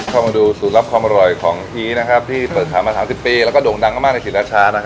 เข้ามาดูสูตรลับความอร่อยของอีนะครับที่เปิดขายมา๓๐ปีแล้วก็โด่งดังมากในเขตราชา